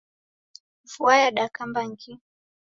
Vua yadakamba ngi!